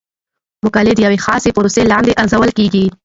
مقالې د یوې خاصې پروسې لاندې ارزول کیږي.